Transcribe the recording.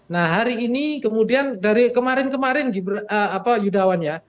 nah hari ini kemudian dari kemarin kemarin yudawan ya